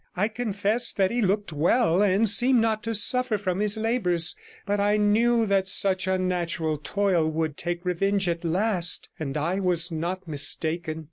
I confessed that he looked well, and seemed not to suffer from his labours, but I knew that such unnatural toil would take revenge at last, and I was not mistaken.